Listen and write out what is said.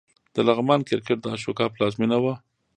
د لغمان کرکټ د اشوکا پلازمېنه وه